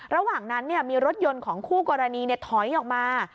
ระหว่างนั้นมีรถยนต์ของคู่กรณีถอยออกมา